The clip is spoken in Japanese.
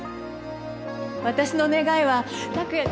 私の願いは拓也。